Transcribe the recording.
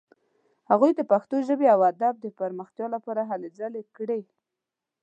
هغوی د پښتو ژبې او ادب د پرمختیا لپاره هلې ځلې کړې.